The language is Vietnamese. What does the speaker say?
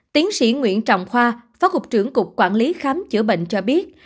tiến sĩ nguyễn trọng khoa phó cục trưởng cục quản lý khám chữa bệnh cho biết